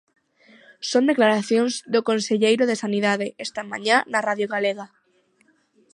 Son declaracións do conselleiro de Sanidade esta mañá na Radio Galega.